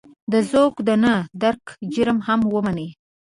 د ذوق د نه درک جرم هم ومني.